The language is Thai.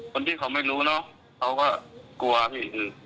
คนที่เขาไม่รู้เนอะเขาก็กลัวพี่คือ